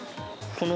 この。